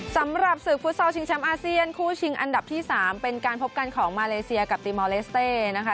สำหรับศึกภูตเซาชิงเช็มท์อาเซียนคู่ชิงอันดับที่สามเป็นการพบกันของมาเลเซียกับตีนะคะ